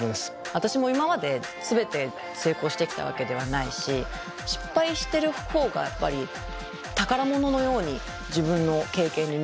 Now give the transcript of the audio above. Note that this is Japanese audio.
私も今まで全て成功してきたわけではないし失敗してるほうがやっぱり宝物のように自分の経験になってる。